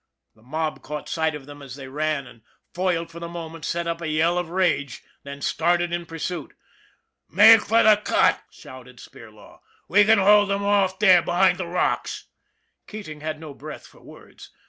The mob caught sight of them as they ran and, foiled for the moment, sent up a yell of rage then started in pursuit. " Make for the cut," shouted Spirlaw. " We can hold them off there behind the rocks." Keating had no breath for words.